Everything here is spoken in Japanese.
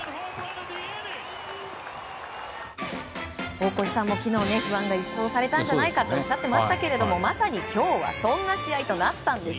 大越さんも、昨日不安が一掃されたんじゃないかとおっしゃっていましたがまさに今日はそんな試合となったんです。